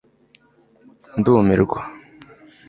ndumirwa